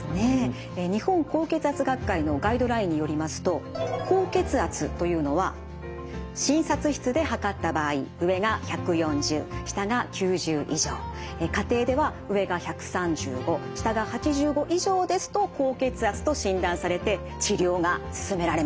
日本高血圧学会のガイドラインによりますと高血圧というのは診察室で測った場合上が１４０下が９０以上家庭では上が１３５下が８５以上ですと高血圧と診断されて治療が進められます。